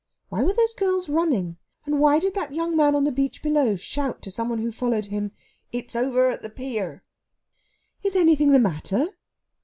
Why were those girls running, and why did that young man on the beach below shout to some one who followed him, "It's over at the pier"? "Is anything the matter?"